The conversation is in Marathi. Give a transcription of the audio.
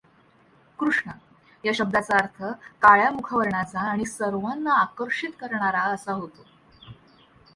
कृष्ण या शब्दाचा अर्थ काळ्या मुखवर्णाचा आणि सर्वाना आकर्षित करणारा असा होतो.